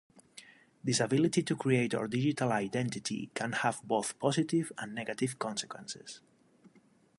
This ability to create our digital identity can have both positive and negative consequences.